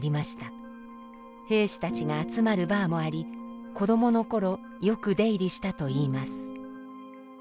兵士たちが集まるバーもあり子供の頃よく出入りしたといいます。